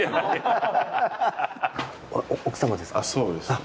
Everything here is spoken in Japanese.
そうですね。